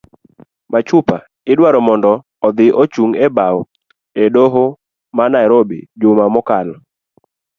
Machupa idwaro mondo odhi ochung' e bao e doho ma nairobi juma mokalo